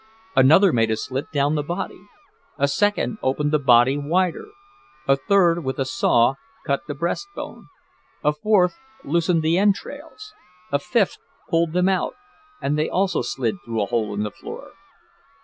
Another made a slit down the body; a second opened the body wider; a third with a saw cut the breastbone; a fourth loosened the entrails; a fifth pulled them out—and they also slid through a hole in the floor.